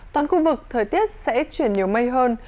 toàn khu vực thời tiết sẽ chuyển nhiều mây hơn